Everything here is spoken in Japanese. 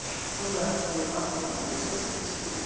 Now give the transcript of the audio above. まあそう焦らないで下さいよ。